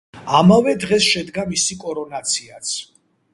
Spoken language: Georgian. ამავე დღეს შედგა მისი კორონაციაც.